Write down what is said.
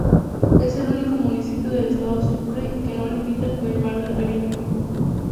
Es el único municipio del estado Sucre que no limita con el Mar Caribe.